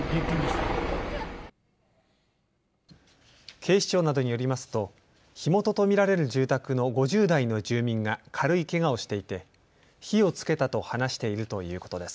警視庁などによりますと火元と見られる住宅の５０代の住民が軽いけがをしていて火をつけたと話しているということです。